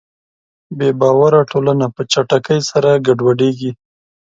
بېباوره ټولنه په چټکۍ سره ګډوډېږي.